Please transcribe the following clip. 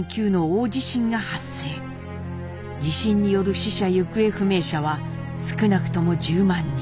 地震による死者・行方不明者は少なくとも１０万人。